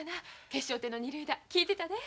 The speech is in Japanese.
決勝点の二塁打聴いてたで。